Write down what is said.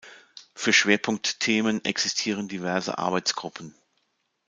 Für Schwerpunktthemen existieren diverse Arbeitsgruppen.